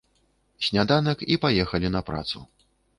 Сняданак, і паехалі на працу.